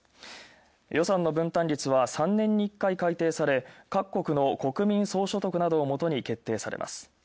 予算の分担率は３年に１回、改定され、各国の国民総所得などを基に決定されます。